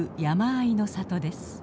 山あいの里です。